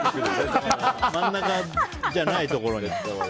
真ん中じゃないところで。